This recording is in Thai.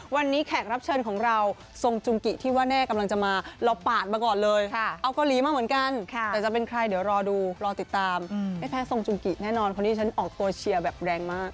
ไฟล์ทน้องเยี่ยมแล้วส่วนจูงกิแน่นอนเพราะที่อ่อโคเชียแรงมาก